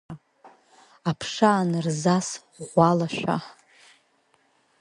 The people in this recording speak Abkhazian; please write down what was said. Аԥша анырзас ӷәӷәалашәа…